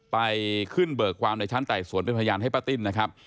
ไปขึ้นเบิกความในชั้นไต่สวนเป็นพยานให้ป้าติ้นนะครับ